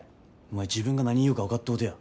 お前自分が何言うか分かっとうとや。